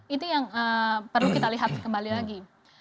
itu yang perlu kita lihat kembali lagi